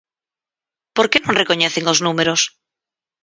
¿Por que non recoñecen os números?